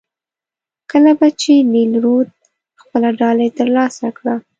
کله به چې نیل رود خپله ډالۍ ترلاسه کړه.